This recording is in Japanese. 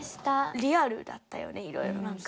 リアルだったよねいろいろ何か。